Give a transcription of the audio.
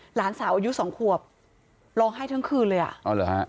หลานสาวอายุสองขวบร้องไห้ทั้งคืนเลยอ่ะอ๋อเหรอฮะ